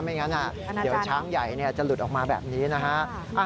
ไม่งั้นเดี๋ยวช้างใหญ่จะหลุดออกมาแบบนี้นะฮะ